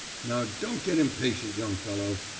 Now don't get impatient, young fellow.